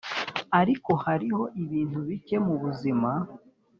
ariko hariho ibintu bike mubuzima